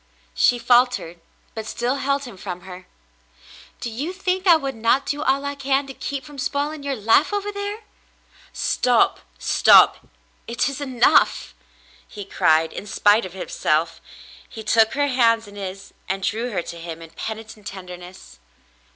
She faltered, but still held him from her. "Do you think I would not do all I can to keep from spoiling your life over there "^" "Stop, stop. It is enough," he cried. In spite of her self, he took her hands in his and drew her to him in peni tent tenderness.